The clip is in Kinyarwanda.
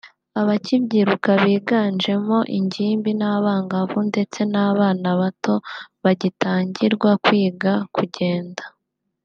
abakibyiruka biganjemo ingimbi n’abangavu ndetse n’abana bato bagitangirwa kwiga kugenda